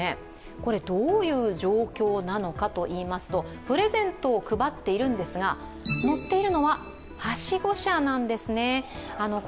これどういう状況なのかといいますと、プレゼントを配っているんですが乗っているのははしご車なんですね。